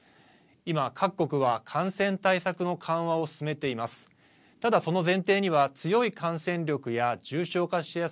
今、各国は感染対策の緩和を進めています。